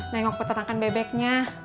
nengok peternakan bebeknya